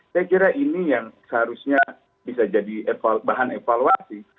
saya kira ini yang seharusnya bisa jadi bahan evaluasi